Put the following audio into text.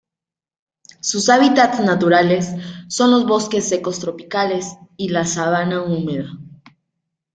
Sus hábitats naturales son los bosques secos tropicales y la sabana húmeda.